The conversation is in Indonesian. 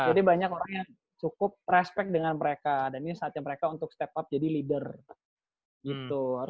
jadi banyak orang yang cukup respect dengan mereka dan ini saatnya mereka untuk step up jadi leader gitu